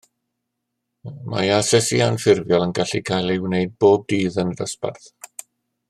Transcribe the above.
Mae asesu anffurfiol yn gallu cael ei wneud bob dydd yn y dosbarth